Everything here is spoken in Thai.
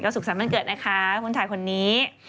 ก็สุขสันต์บรรเกิดนะคะคุณถ่ายคนนี้